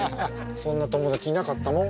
そんな友達いなかったもん。